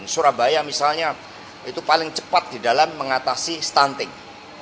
surabaya misalnya itu paling cepat di dalam mengatasi stunting